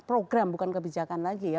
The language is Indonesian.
program bukan kebijakan lagi ya